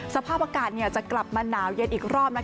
สภาพอากาศจะกลับมาหนาวเย็นอีกรอบ